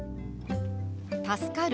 「助かる」。